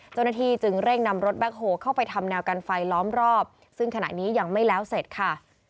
เจ้าหน้าที่จึงเร่งนำรถแบ็คโฮลเข้าไปทำแนวกันไฟล้อมรอบซึ่งขณะนี้ยังไม่แล้วเสร็จค่ะ